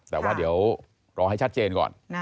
แต่ว่าเดี๋ยวรอให้ชัดเจนก่อน